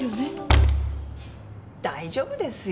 大丈夫ですよ。